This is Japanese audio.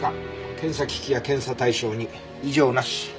検査機器や検査対象に異常なし。